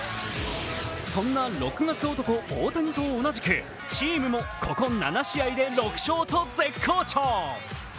そんな６月男・大谷と同じく、チームもここ７試合で６勝と絶好調。